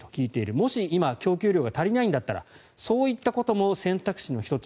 もし、今供給量が足りないんだったらそういうことも選択肢の１つ。